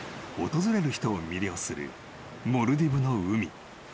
［訪れる人を魅了するモルディブの海］